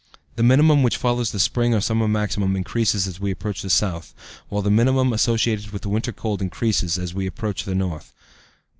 The minimum which follows the spring or summer maximum increases as we approach the south, while the minimum associated with the winter cold increases as we approach the north.